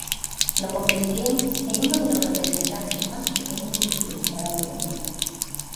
Lo convirtió en uno de los representantes más pequeños de su infraorden.